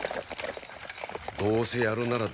どうせやるなら